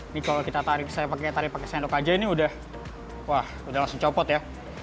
ini kalau kita tarik pakai sendok saja ini sudah langsung copot ya